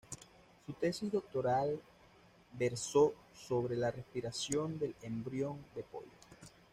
Su tesis doctoral versó sobre la respiración del embrión de pollo.